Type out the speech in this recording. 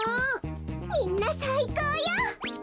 みんなさいこうよ！